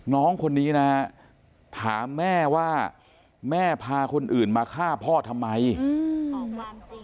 น้องคนนี้นะฮะถามแม่ว่าแม่พาคนอื่นมาฆ่าพ่อทำไมอืม